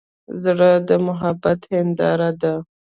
زړه د محبت هنداره ده.